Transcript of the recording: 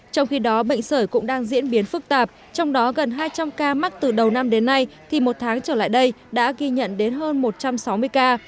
trong khi đó bệnh sởi cũng đang diễn biến phức tạp trong đó gần hai trăm linh ca mắc từ đầu năm đến nay thì một tháng trở lại đây đã ghi nhận đến hơn một trăm sáu mươi ca